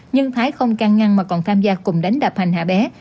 nhưng thái không căng ngăn mà còn tham gia cùng đánh đập hành hạ bé